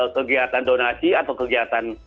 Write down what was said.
kegiatan donasi atau kegiatan